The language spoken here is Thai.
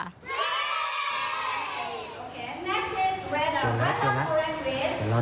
เย่